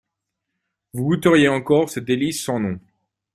Vous goûteriez encore ces délices sans nom.